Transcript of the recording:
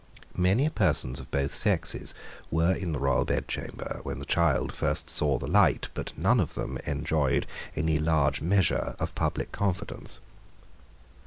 Many persons of both sexes were in the royal bedchamber when the child first saw the light but none of them enjoyed any large measure of public confidence.